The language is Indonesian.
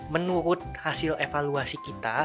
menurut hasil evaluasi kita